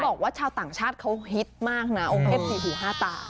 บอกว่าชาวต่างชาติเขาฮิตมากนะองค์เทพสี่หูห้าตา